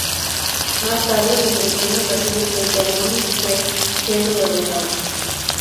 Más tarde se enfrentó en ocasiones frente a Moni-Que siendo derrotada.